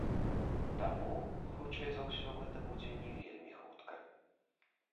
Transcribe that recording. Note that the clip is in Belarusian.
Таму, хутчэй за ўсё, гэта будзе не вельмі хутка.